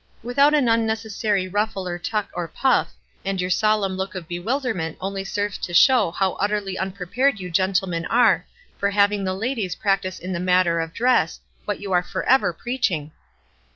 " Without an unnecessary rufflo or tuck or puff, and your solemn look of bewilderment only serves to show how utterly unprepared you gentlemen are for having the ladies practice in the matter of dress what you are forever preach ing."